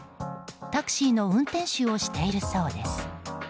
タクシーの運転手をしているそうです。